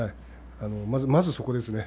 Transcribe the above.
まず、そこですね。